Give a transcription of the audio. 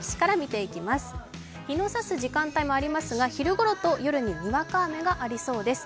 日の差す時間帯もありますが、昼ごろと夜ににわか雨がありそうです。